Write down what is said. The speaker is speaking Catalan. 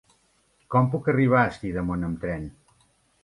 Com puc arribar a Sidamon amb tren?